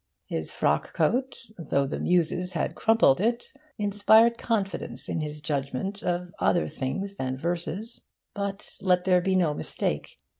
His frock coat, though the Muses had crumpled it, inspired confidence in his judgment of other things than verse. But let there be no mistake.